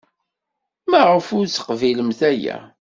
Maɣef ur teqbilemt aya?